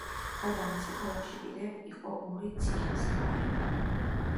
გარდა ამისა, ქალაქში კიდევ იყო ორი „ციხის კარი“.